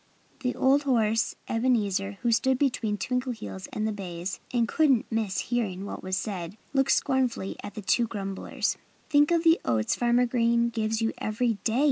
The old horse Ebenezer, who stood between Twinkleheels and the bays and couldn't miss hearing what was said, looked scornfully at the two grumblers. "Think of the oats Farmer Green gives you every day!"